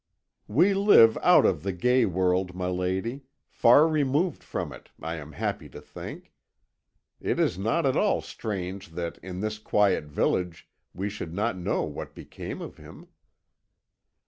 "We live out of the gay world, my lady; far removed from it, I am happy to think. It is not at all strange that in this quiet village we should not know what became of him."